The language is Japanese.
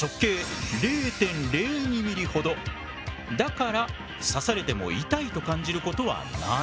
その針だから刺されても痛いと感じることはない。